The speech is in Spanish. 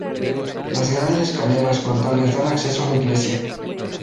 Las grandes escaleras frontales dan acceso a la iglesia.